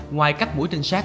ngoài các buổi trình sát